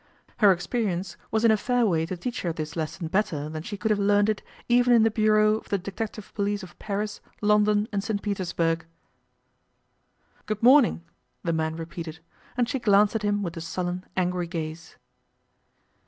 Her experience was in a fair way to teach her this lesson better than she could have learnt it even in the bureaux of the detective police of Paris, London, and St Petersburg. 'Good morning,' the man repeated, and she glanced at him with a sullen, angry gaze.